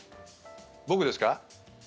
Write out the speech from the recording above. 僕ですか？